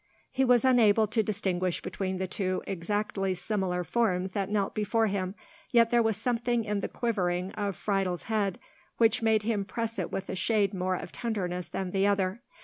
He was unable to distinguish between the two exactly similar forms that knelt before him, yet there was something in the quivering of Friedel's head, which made him press it with a shade more of tenderness than the other.